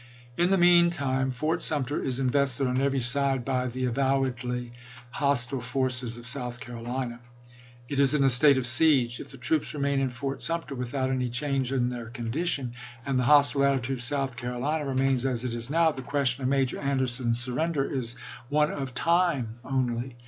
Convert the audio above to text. In the meantime Fort Sumter is invested on every side by the avowedly hostile forces of South Carolina. It is in a state of siege. .. If the troops remain in Fort Sumter without any change in their condition, and the hostile attitude of South Carolina remains as it is now, the question of Major Anderson's surrender is one of time only.